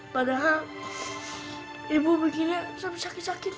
padahal ibu bikinnya sakit sakit